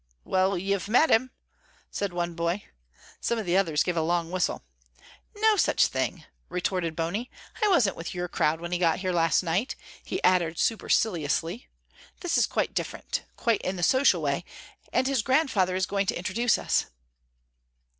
"Well, you've met him," said one boy. Some of the others gave a long whistle. "No such thing," retorted Bony. "I wasn't with your crowd when he got here last night," he added superciliously. "This is quite different, quite in the social way, and his grandfather is going to introduce us."